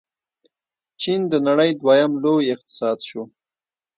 چین د نړۍ دویم لوی اقتصاد شو.